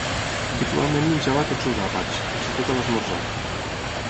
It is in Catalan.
Habitualment menjava a tots els àpats, fins i tot a l'esmorzar.